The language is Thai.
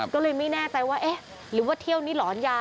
ก็เลยไม่แน่ใจว่าเอ๊ะหรือว่าเที่ยวนี้หลอนยา